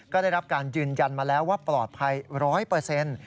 ก็ได้รับการยืนยันมาแล้วว่าปลอดภัยร้อยเปอร์เซ็นต์